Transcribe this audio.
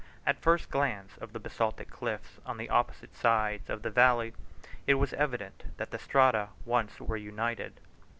At the first glance of the basaltic cliffs on the opposite sides of the valley, it was evident that the strata once were united.